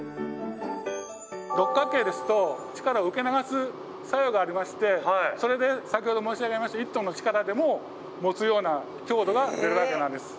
六角形ですと力を受け流す作用がありましてそれで先ほど申し上げました１ｔの力でももつような強度が出るわけなんです。